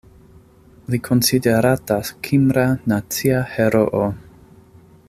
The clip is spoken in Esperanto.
Li konsideratas kimra nacia heroo.